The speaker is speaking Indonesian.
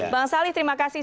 bang salih terima kasih